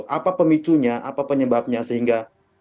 apa pemicunya apa penyebabnya sehingga